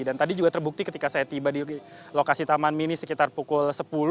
tadi juga terbukti ketika saya tiba di lokasi taman mini sekitar pukul sepuluh